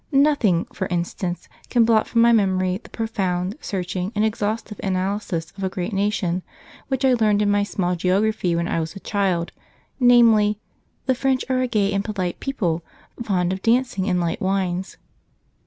Nothing, for instance, can blot from my memory the profound, searching, and exhaustive analysis of a great nation which I learned in my small geography when I was a child, namely, 'The French are a gay and polite people, fond of dancing and light wines.'